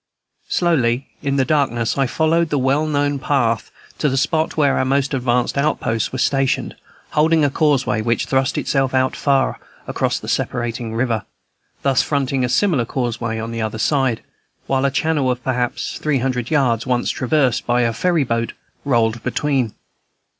Slowly in the darkness I followed the well known path to the spot where our most advanced outposts were stationed, holding a causeway which thrust itself far out across the separating river, thus fronting a similar causeway on the other side, while a channel of perhaps three hundred yards, once traversed by a ferry boat, rolled between.